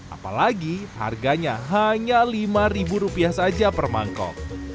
apalagi harganya hanya lima rupiah saja per mangkok